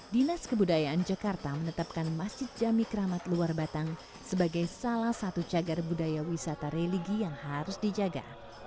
dinas kebudayaan jakarta menetapkan masjid jami keramat luar batang sebagai salah satu cagar budaya wisata religi yang harus dijaga